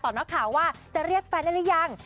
นักข่าวว่าจะเรียกแฟนได้หรือยัง